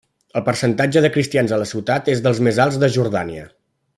El percentatge de cristians a la ciutat és dels més alts de Jordània.